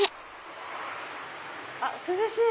あっ涼しい！